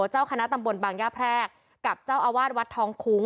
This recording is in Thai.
เจ้าคณะตำบลบางย่าแพรกกับเจ้าอาวาสวัดทองคุ้ง